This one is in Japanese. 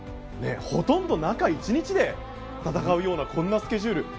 ほとんど中１日で戦うようなこんなスケジュール。